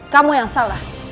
kamu yang salah